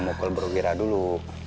nunggu bro wira dulu